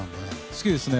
好きですね。